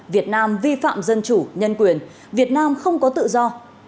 việt nam vi phạm dân chủ nhân quyền việt nam không có tự do